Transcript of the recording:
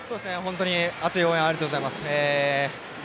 本当に熱い応援ありがとうございます。